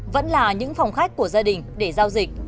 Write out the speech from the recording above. vẫn là những phòng khách của gia đình để giao dịch